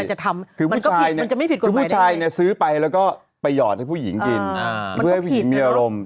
ใช่คือผู้ชายซื้อไปแล้วก็ไปหยอดให้ผู้หญิงกินเพื่อให้ผู้หญิงมีอารมณ์